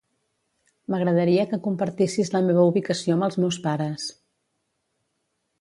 M'agradaria que compartissis la meva ubicació amb els meus pares.